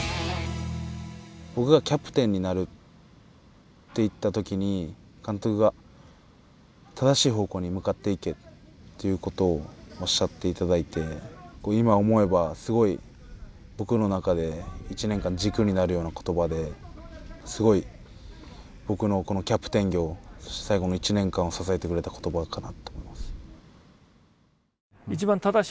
僕が「キャプテンになる」って言った時に監督が「正しい方向に向かっていけ」っていうことをおっしゃっていただいて今思えばすごい僕の中で１年間軸になるような言葉ですごい僕のこのキャプテン業最後の１年間を支えてくれた言葉かなと思います。